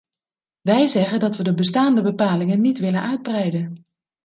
Wij zeggen dat we de bestaande bepalingen niet willen uitbreiden.